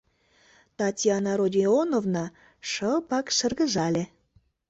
— Татьяна Родионовна шыпак шыргыжале.